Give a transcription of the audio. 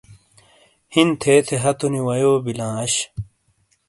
ہِن تھے تھے ہَتونی وَیوئی بِیلاں اش۔